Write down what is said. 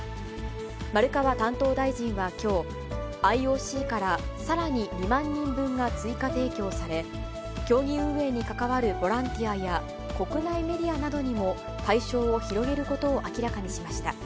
丸川担当大臣はきょう、ＩＯＣからさらに２万人分が追加提供され、競技運営に関わるボランティアや、国内メディアなどにも、対象を広げることを明らかにしました。